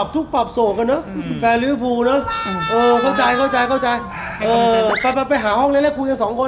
ทุกปรับโสกนะแฟนลิวิภูนะโฆษายไปหาห้องเล่นแล้วคุยกัน๒คน